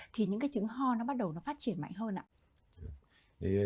thì những cái trứng ho nó bắt đầu nó phát triển mạnh hơn ạ